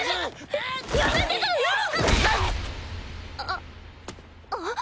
あっあっ。